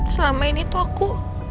selama ini tuh aku